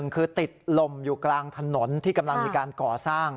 คือติดลมอยู่กลางถนนที่กำลังมีการก่อสร้าง